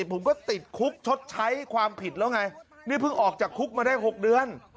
ผมก็ติดคุกชดใช้ความผิดแล้วไงนี่เพิ่งออกจากคุกมาได้๖เดือน